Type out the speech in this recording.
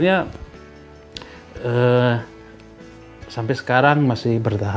aku merasa terluka